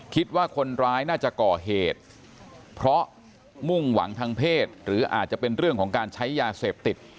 คิดว่าคนร้ายน่าจะก่อเหตุเพราะมุ่งหวังทางเพศหรืออาจจะเป็นเรื่องของการใช้ยาเสพติด